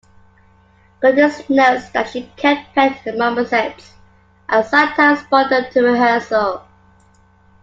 Curtiss notes that she kept pet marmosets, and sometimes brought them to rehearsal.